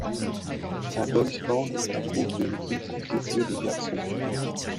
Un boys band est un groupe de musique constitué de garçons.